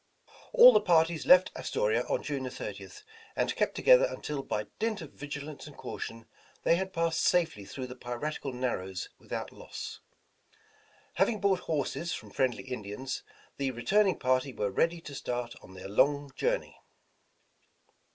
All the parties left Astoria on June 30th, and kept together until by dint of vigilance and caution they had passed safely through the piratical Narrows with out loss. Having bought horses from friendly Indians, the returning party were ready to start on their long journey.